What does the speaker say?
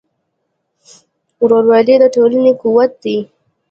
ورورولي د ټولنې قوت دی.